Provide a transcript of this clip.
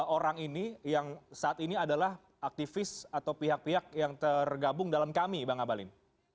tiga orang ini yang saat ini adalah aktivis atau pihak pihak yang tergabung dalam kami bang abalin